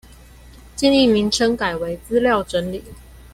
建議名稱改為資料整理